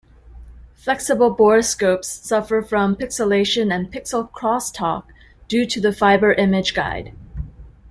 Flexible borescopes suffer from pixelation and pixel crosstalk due to the fiber image guide.